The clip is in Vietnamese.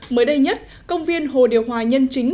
mới đây nhất công viên hồ điều hòa nhân chính